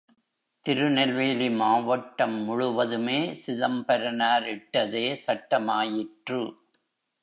திருநெல்வேலி மாவட்டம் முழுவதுமே சிதம்பரனார் இட்டதே சட்டமாயிற்று.